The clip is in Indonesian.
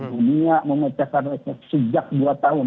dunia memecahkan reses sejak dua tahun